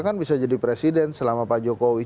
kan bisa jadi presiden selama pak jokowi